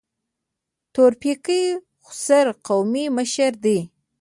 د تورپیکۍ خوسر قومي مشر دی.